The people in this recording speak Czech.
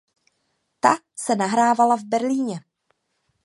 Ta se nahrávala v Berlíně.